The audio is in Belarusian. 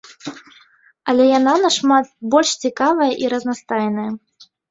Але яна нашмат больш цікавая і разнастайная.